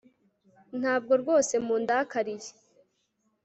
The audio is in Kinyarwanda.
Ntabwo rwose mundakariye